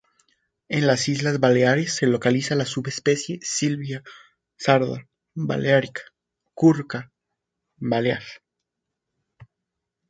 En las Islas Baleares se localiza la subespecie "Sylvia sarda balearica" o curruca balear.